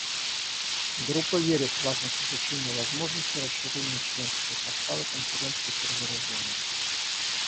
Группа верит в важность изучения возможности расширения членского состава Конференции по разоружению.